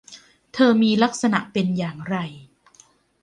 เธอมีลักษณะเป็นอย่างไร ?